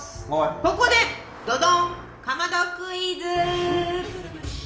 ここでどどんかまどクイズ！